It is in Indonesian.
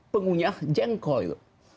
pengunyah jengkol itu